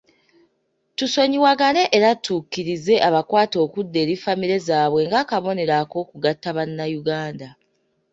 Tusonyiwagane era tukkirize abakwate okudda eri famire zaabwe ng'akabonero ak'okugatta bannayuganda.